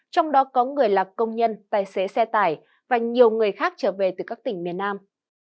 trong đó có người là công nhân tài xế xe tải và nhiều người khác trở về từ các tỉnh miền nam